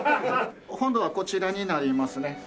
本堂はこちらになりますね。